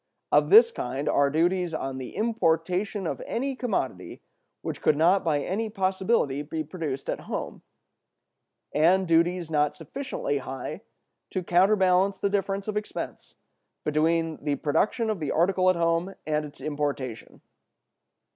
Of this kind are duties on the importation of any commodity which could not by any possibility be produced at home, and duties not sufficiently high to counterbalance the difference of expense between the production of the article at home and its importation.